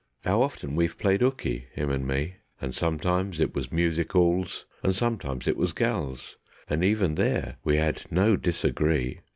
'Ow often we've played 'ookey, 'im and me; And sometimes it was music 'alls, and sometimes it was gals, And even there we 'ad no disagree.